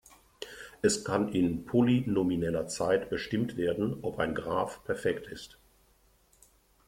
Es kann in polynomieller Zeit bestimmt werden, ob ein Graph perfekt ist.